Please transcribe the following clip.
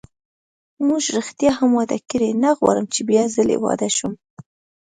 موږ ریښتیا هم واده کړی، نه غواړم چې بیا ځلي واده شم.